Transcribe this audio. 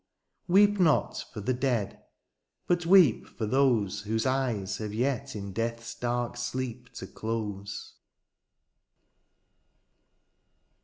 weep not for the dead, but weep for those Whose eyes have yet in death's dark sleep to close.